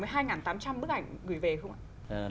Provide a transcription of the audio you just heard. với hai tám trăm linh bức ảnh gửi về không ạ